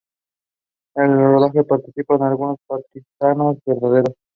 En el rodaje participaron algunos partisanos verdaderos.